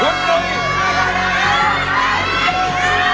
ร้องได้ร้องได้